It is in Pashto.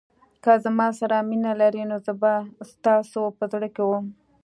که زما سره مینه لرئ نو زه به ستاسو په زړه کې وم.